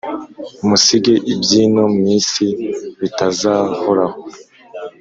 musige iby'ino mw isi bitazahoraho,